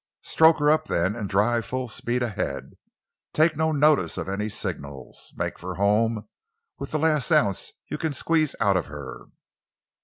"Stoke her up, then, and drive full speed ahead. Take no notice of any signals. Make for home with the last ounce you can squeeze out of her."